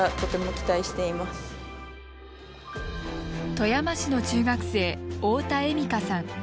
富山市の中学生大田笑加さん。